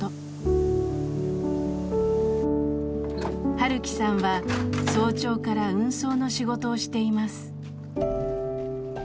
晴樹さんは早朝から運送の仕事をしています。